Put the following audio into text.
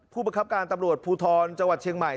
ประคับการตำรวจภูทรจังหวัดเชียงใหม่